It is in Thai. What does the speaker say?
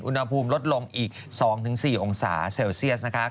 อุณหภูมิลดลงอีก๒๔องศาเซลเซียสนะคะ